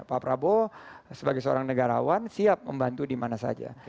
pak prabowo sebagai seorang negarawan siap membantu dimana saja